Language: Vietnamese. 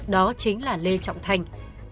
đó chính là lê trọng thành